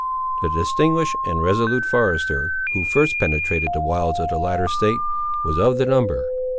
The distinguished and resolute forester who first penetrated the wilds of the latter state, was of the number.